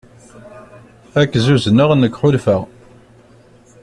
Ad k-zuzneɣ nekk ḥulfaɣ.